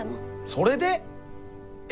それで！？え？